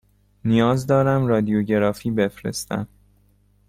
نیاز دارم رادیوگرافی بفرستم.